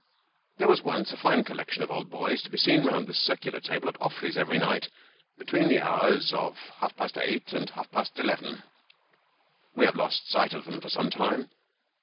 There was once a fine collection of old boys to bo seen round the circular table at Offley's every night, between the hours of half past eight and half past eleven. We have lost sight of them for some time.